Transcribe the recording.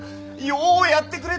ようやってくれた！